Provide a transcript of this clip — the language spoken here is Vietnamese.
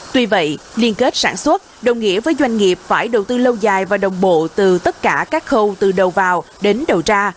tuy vậy liên kết sản xuất đồng nghĩa với doanh nghiệp phải đầu tư lâu dài và đồng bộ từ tất cả các khâu từ đầu vào đến đầu ra